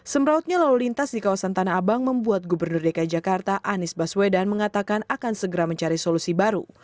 semrautnya lalu lintas di kawasan tanah abang membuat gubernur dki jakarta anies baswedan mengatakan akan segera mencari solusi baru